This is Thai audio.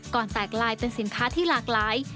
แตกลายเป็นสินค้าที่หลากหลาย